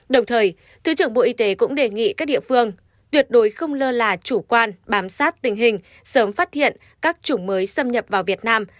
đồng thời thứ trưởng bộ y tế cũng đề nghị các địa phương tuyệt đối không lơ là chủ quan bám sát tình hình sớm phát hiện các chủng mới xâm nhập vào việt nam